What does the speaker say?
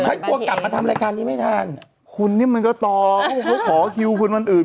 กลัวกลับมาทำรายการนี้ไม่ทันคุณนี่มันก็ต่อเขาขอคิวคุณวันอื่น